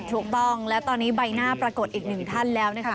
ถูกต้องและตอนนี้ใบหน้าปรากฏอีกหนึ่งท่านแล้วนะคะ